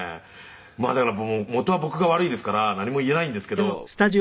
「だから元は僕が悪いですから何も言えないんですけど」